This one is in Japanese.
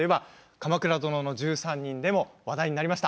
「鎌倉殿の１３人」でも話題になりました。